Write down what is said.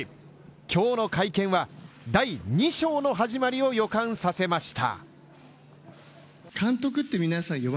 今日の会見は、第２章の始まりを予感させました。